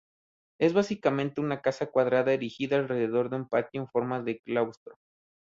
Es básicamente una casa cuadrada erigida alrededor de un patio en forma de claustro.